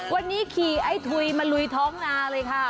วันนี้ขี่ไอ้ทุยมาลุยท้องนาเลยค่ะ